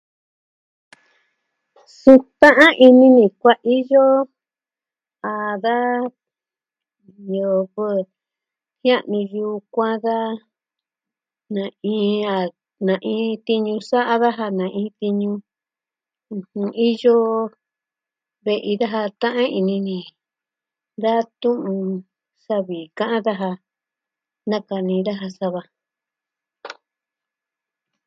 Suu ta'an ini ni kuaiyo a da ñɨvɨ jia'nu yukuan da na iin, a na iin tiñu sa'a daja, na iin tiñu iyo ve'i daja ta'an ini ni. Da tu'un Savi ka'an daja nakani daja sava.